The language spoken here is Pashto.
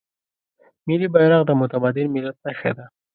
ملي بیرغ د متمدن ملت نښه ده.